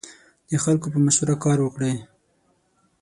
د خلکو په مشوره کار وکړئ.